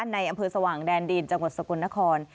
ในอำเภอสว่างแดนดินจังหวัดสกลนคร